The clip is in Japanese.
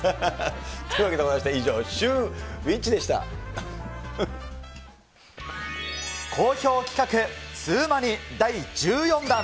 というわけでございまして、好評企画ツウマニ第１４弾。